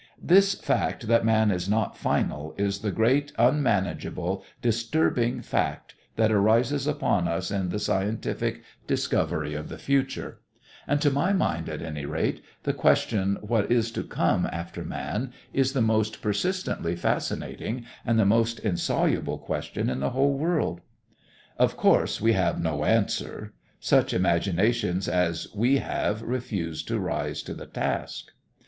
This fact that man is not final is the great unmanageable, disturbing fact that arises upon us in the scientific discovery of the future, and to my mind, at any rate, the question what is to come after man is the most persistently fascinating and the most insoluble question in the whole world. Of course we have no answer. Such imaginations as we have refuse to rise to the task.